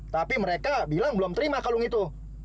tapi mereka bilang belum terima kalung itu